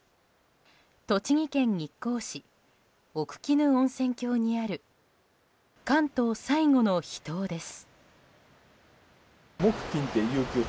栃木県日光市奥鬼怒温泉郷にある関東最後の秘湯です。